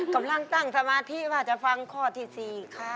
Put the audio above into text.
กำลังตั้งสมาธิว่าจะฟังข้อที่๔ค่ะ